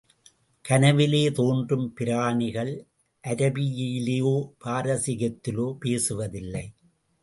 கனவிலே தோன்றும் பிராணிகள், அரபியிலோ, பாரசீகத்திலோ பேசுவதில்லை.